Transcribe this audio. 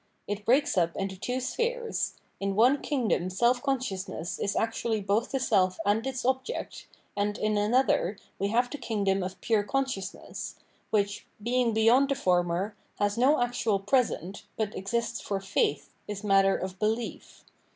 It breaks up into two spheres : in one kingdom self consciousness is actually both the self and its object, and in another we have the kingdom of pure consciousness, which, being beyond the former. 491 Sfirit in Self estrangetnent has no actual present, but exists for Faith, is matter of Belief.